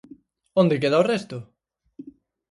Onde queda o resto?